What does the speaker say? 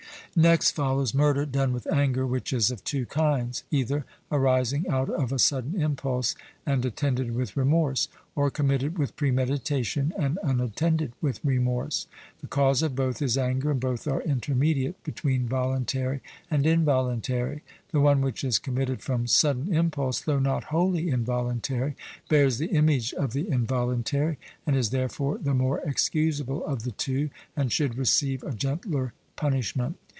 Next follows murder done from anger, which is of two kinds either arising out of a sudden impulse, and attended with remorse; or committed with premeditation, and unattended with remorse. The cause of both is anger, and both are intermediate between voluntary and involuntary. The one which is committed from sudden impulse, though not wholly involuntary, bears the image of the involuntary, and is therefore the more excusable of the two, and should receive a gentler punishment.